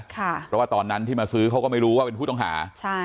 เพราะว่าตอนนั้นที่มาซื้อเขาก็ไม่รู้ว่าเป็นผู้ต้องหา